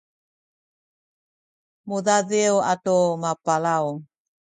mudadiw atu mapalaw